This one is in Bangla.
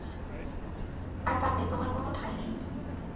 আর তাতে তোমার কোনো ঠাই নেই।